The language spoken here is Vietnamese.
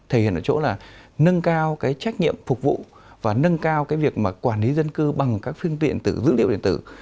thể hiện ở chỗ là nâng cao cái trách nhiệm phục vụ và nâng cao cái việc mà quản lý dân cư bằng các phương tiện tử dữ liệu điện tử